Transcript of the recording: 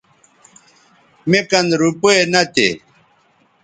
مے کن روپے نہ تھے